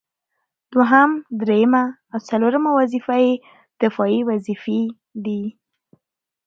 دوهم، دريمه او څلورمه وظيفه يې دفاعي وظيفي دي